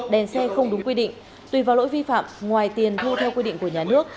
đèn xe không đúng quy định tùy vào lỗi vi phạm ngoài tiền thu theo quy định của nhà nước